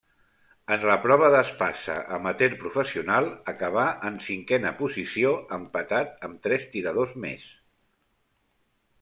En la prova d'espasa amateur-professional acabà en cinquena posició, empatat amb tres tiradors més.